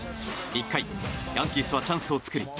１回、ヤンキースはチャンスを作り